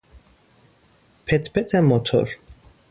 پت پت موتور